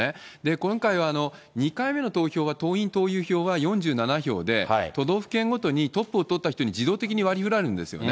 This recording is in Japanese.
今回は２回目の投票は党員・党友票は４７票で、都道府県ごとにトップを取った人に自動的にわりふられるんですよね。